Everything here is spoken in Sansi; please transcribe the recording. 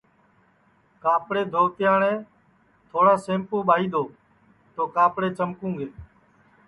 کاپڑے دھووَتے ئاٹؔیں تھوڑا سیمپُو ٻائی دؔو تو کاپڑے چمکُوں گے